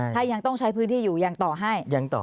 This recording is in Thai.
ถ้ายังต้องใช้พื้นที่อยู่ยังต่อให้ยังต่อ